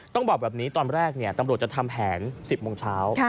ต้องบอกแบบนี้ตอนแรกตำรวจจะทำแผน๑๐โมงเช้า